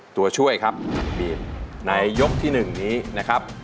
ตัวช่วยครับบีมในยกที่๑นี้นะครับ